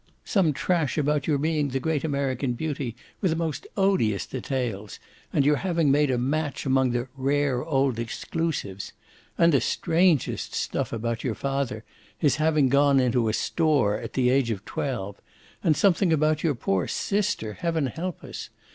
"Some trash about your being the great American beauty, with the most odious details, and your having made a match among the 'rare old exclusives.' And the strangest stuff about your father his having gone into a 'store' at the age of twelve. And something about your poor sister heaven help us!